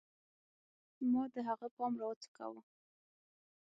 ما د هغه پام راوڅکاوه